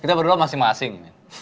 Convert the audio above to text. kita berdua masih masing